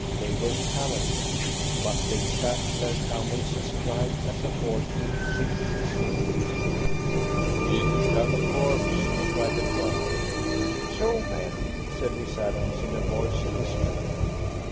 They were camel men, but they sat their camels astride as a horseman sits his horse. "Gippy Camel Corps!" cried the Colonel. "Two men," said Miss Adams, in a voice of despair.